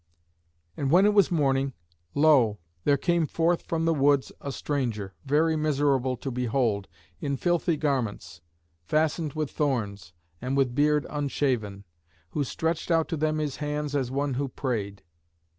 And when it was morning, lo! there came forth from the woods a stranger, very miserable to behold, in filthy garments fastened with thorns, and with beard unshaven, who stretched out to them his hands as one who prayed.